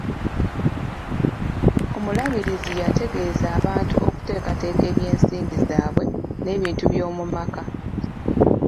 Omulabirizi yategeeza abantu okuteekateeka ebyensimbi zaabwe n'ebintu by'omu maka.